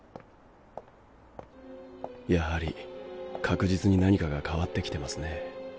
やはり確実に何かが変わってきてますね。